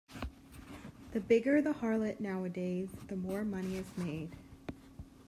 The bigger the harlot now-a-days the more money is made.